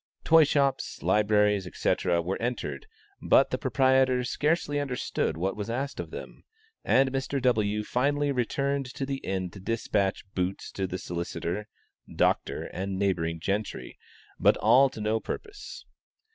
Toyshops, libraries, etc., were entered, but the proprietors scarcely understood what was asked of them, and Mr. W. finally returned to the inn to dispatch "Boots" to the solicitor, doctor, and neighboring gentry but all to no purpose.